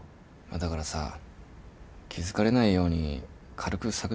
だからさ気付かれないように軽く探ってほしいんだよね。